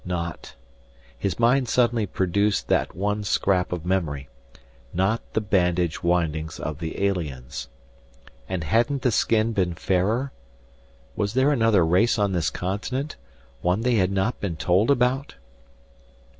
Not his mind suddenly produced that one scrap of memory not the bandage windings of the aliens. And hadn't the skin been fairer? Was there another race on this continent, one they had not been told about?